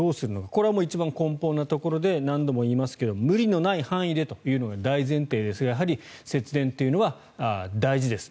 これは一番根本なところで何度も言いますけれど無理のない範囲でというのが大前提ですがやはり節電というのは大事です。